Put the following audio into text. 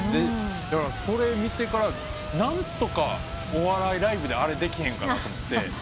だからそれ見てから何とかお笑いライブであれできへんかなと思って。